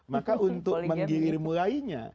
maka untuk menggilimu lainnya